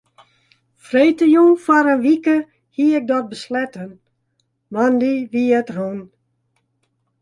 Freedtejûn foar in wike hie ik dat besletten, moandei wie it rûn.